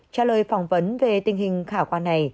trả lời phỏng vấn về tình hình khảo quan này